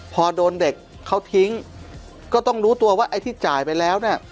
พอโดนเด็กเขาทิ้งก็ต้องรู้ตัวว่าไอ้ที่จ่ายไปแล้วเนี่ย